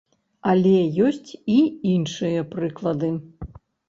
Але ёсць і іншыя прыклады.